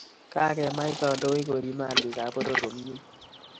kakemach kandoi koriip malikap poror komie